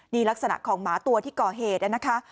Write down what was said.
นี่ลักษณะของหมาตัวที่ก่อเหตุนะคะ